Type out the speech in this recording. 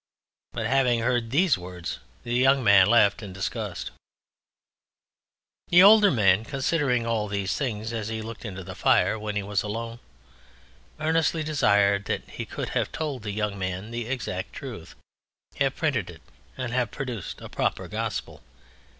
But having heard these words the Young Man left him in disgust. The Older Man, considering all these things as he looked into the fire when he was alone, earnestly desired that he could have told the Young Man the exact truth, have printed it, and have produced a proper Gospel.